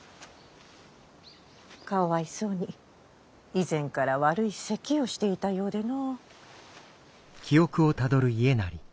かわいそうに以前から悪いせきをしていたようでの。